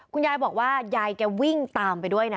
คุณยายบอกว่ายายแกวิ่งตามไปด้วยนะ